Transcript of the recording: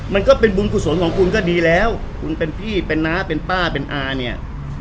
มันก็เป็นบุญกุศลของคุณก็ดีแล้วคุณเป็นพี่เป็นน้าเป็นป้าเป็นอาเนี่ย